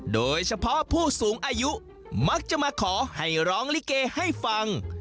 โดยเฉพาะผู้สูงอายุมักจะมาขอให้ร้องลิเกให้ฟัง